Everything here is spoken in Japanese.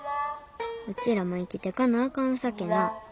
うちらも生きてかなあかんさけな。